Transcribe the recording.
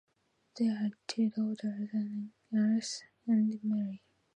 They had two daughters, Anne and Mary.